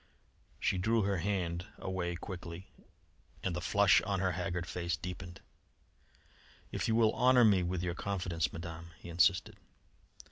She drew her hand away quickly, and the flush on her haggard face deepened. "If you will honour me with your confidence, Madame," he insisted.